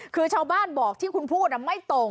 คือชาวบ้านบอกที่คุณพูดไม่ตรง